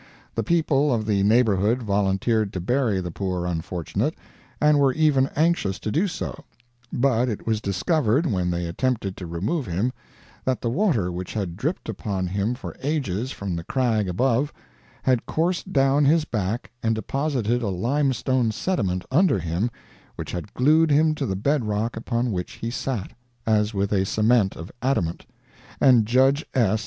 The people of the neighborhood volunteered to bury the poor unfortunate, and were even anxious to do so; but it was discovered, when they attempted to remove him, that the water which had dripped upon him for ages from the crag above, had coursed down his back and deposited a limestone sediment under him which had glued him to the bed rock upon which he sat, as with a cement of adamant, and Judge S.